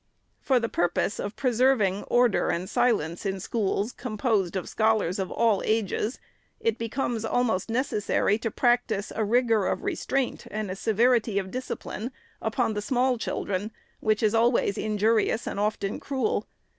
For the purpose of preserving order and silence in schools, com posed of scholars of all ages, it becomes almost necessary to practise a rigor of restraint and a severity of discipline upon the small children, which is always injurious and often cruel.